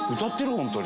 本当に。